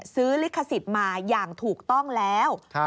ลิขสิทธิ์มาอย่างถูกต้องแล้ว